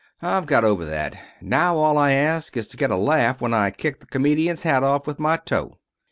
I've got over that. Now all I ask is to get a laugh when I kick the comedian's hat off with my toe."